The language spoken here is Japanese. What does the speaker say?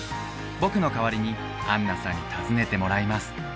僕の代わりにアンナさんに訪ねてもらいます